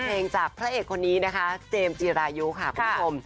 เพลงจากพระเอกคนนี้นะคะเจมส์จีรายุค่ะคุณผู้ชม